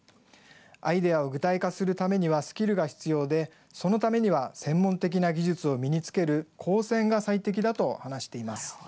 アイデアを具体化するためにはスキルが必要で、そのためには専門的な技術を身につける高専が最適だと話しています。